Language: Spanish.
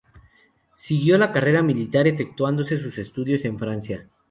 Siguió la carrera militar efectuando sus estudios en Francia.